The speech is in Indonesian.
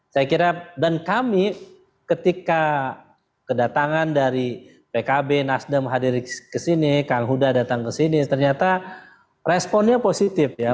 saya kira dan kami ketika kedatangan dari pkb nasdem hadir kesini kang huda datang ke sini ternyata responnya positif ya